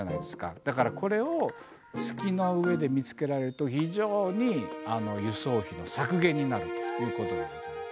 だからこれを月の上で見つけられると非常に輸送費の削減になるということでございます。